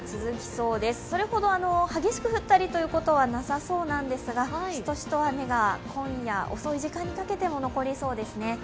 それほど激しく降ったりとかはなさそうなんですが、しとしと雨が今夜遅い時間にかけても残りそうですね。